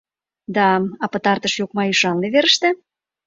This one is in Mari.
— Да, а пытартыш йокма ӱшанле верыште?